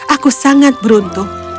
aku sangat beruntung